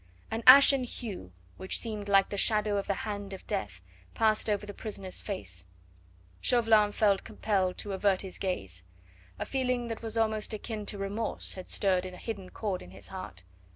An ashen hue, which seemed like the shadow of the hand of death, passed over the prisoner's face. Chauvelin felt compelled to avert his gaze. A feeling that was almost akin to remorse had stirred a hidden chord in his heart.